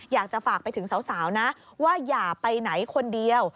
อยากจะฝากไปถึงสาวนะว่าอย่าไปไหนคนเดียว